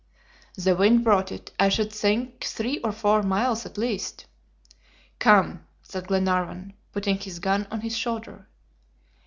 "The wind brought it; I should think, three or four miles, at least." "Come," said Glenarvan, putting his gun on his shoulder.